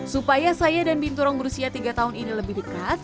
supaya saya dan binturong berusia tiga tahun ini lebih dekat